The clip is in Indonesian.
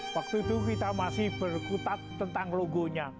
waktu itu kita masih berkutat tentang logonya